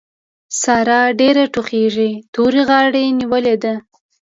سارا ډېره ټوخېږي؛ تورې غاړې نيولې ده.